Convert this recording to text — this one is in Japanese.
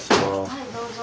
はいどうぞ。